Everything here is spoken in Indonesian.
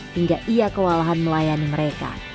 hingga ia kewalahan melayani mereka